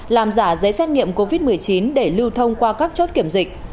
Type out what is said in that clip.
làm giả giấy xét nghiệm covid một mươi chín để lưu thông qua các chốt kiểm dịch